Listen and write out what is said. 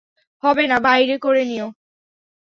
হবে না, বাইরে করে নিও।